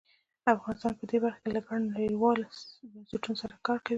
افغانستان په دې برخه کې له ګڼو نړیوالو بنسټونو سره کار کوي.